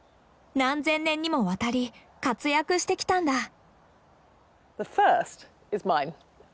何千年にもわたり活躍してきたんだ。